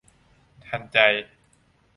ทันใจ